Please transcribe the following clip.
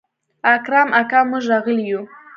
اکرم اکا موږ راغلي يو.